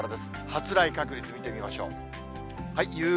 発雷確率見てみましょう。